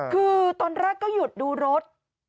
คือตอนแรกก็หยุดดูรถ